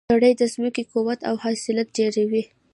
سرې د ځمکې قوت او حاصل ډیروي.